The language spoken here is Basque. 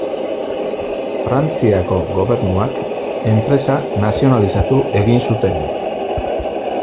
Frantziako gobernuak enpresa nazionalizatu egin zuten.